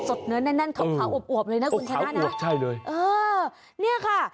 สดเนื้อนั่นข่าวอบเลยนะคุณคณะนะเออนี่ค่ะ